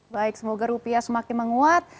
baik semoga rupiah semakin menguat